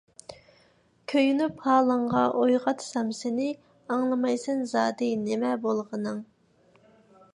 كۆيۈنۈپ ھالىڭغا، ئويغاتسام سېنى، ئاڭلىمايسەن زادى، نېمە بولغىنىڭ؟